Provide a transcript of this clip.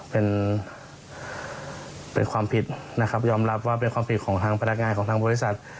เป็นเป็นความผิดนะครับยอมรับว่าเป็นความผิดของทางพนักงานของทางบริษัท